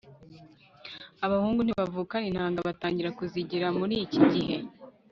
abahungu ntibavukana intanga, batangira kuzigira muri iki gihe